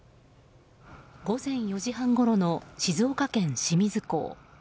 午前４時半ごろの静岡県清水港。